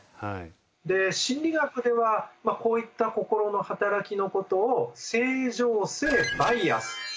で心理学ではこういった心の働きのことを正常性バイアスというふうに呼びます。